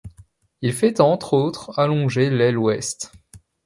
Il fait entre autres allonger l'aile ouest.